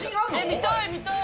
見たい、見たい。